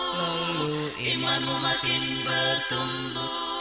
lalu imanmu makin bertumbuh